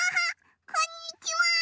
こんにちは。